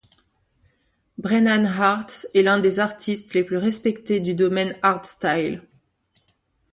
Brennan Heart est l'un des artistes les plus respectés du domaine hardstyle.